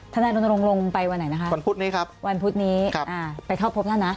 ท่านนายลงไปวันไหนนะคะวันพุธนี้ครับไปเท่าพบท่านนะ